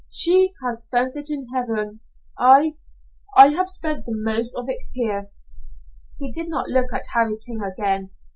She has spent it in heaven. I I have spent the most of it here." He did not look at Harry King again.